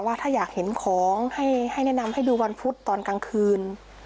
ว่าถ้าอยากเห็นของให้แนะนำให้ดูวันพุธตอนกลางคืน